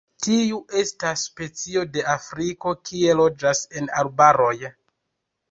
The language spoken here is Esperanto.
Tiu estas specio de Afriko kie loĝas en arbaroj.